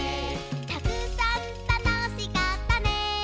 「たくさんたのしかったね」